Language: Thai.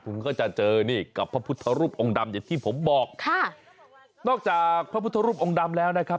คุณก็จะเจอกับพระพุทธรูปองค์ดำศักดิ์ที่ผมบอกนอกจากพระพุทธรูปองค์ดำศักดิ์แล้วนะครับ